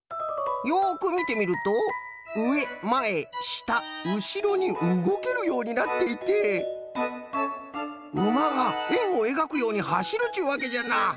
よくみてみるとうえまえしたうしろにうごけるようになっていてうまがえんをえがくようにはしるっちゅうわけじゃな！